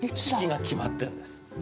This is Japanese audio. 四季が決まってるんです。